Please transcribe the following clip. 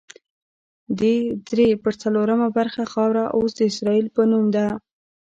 دې درې پر څلورمه برخه خاوره اوس د اسرائیل په نوم ده.